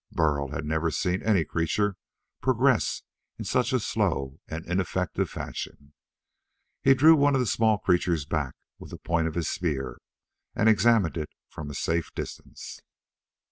Burl had never seen any creature progress in such a slow and ineffective fashion. He drew one of the small creatures back with the point of his spear and examined it from a safe distance.